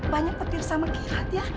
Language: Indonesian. banyak petir sama kira dia